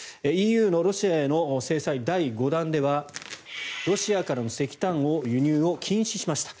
ＥＵのロシアへの制裁第５弾ではロシアからの石炭の輸入を禁止しました。